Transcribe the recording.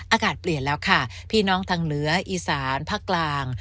อากาศเปลี่ยนแล้วค่ะพี่น้องทางเหนืออีสานภาคกลาง